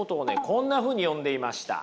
こんなふうに呼んでいました。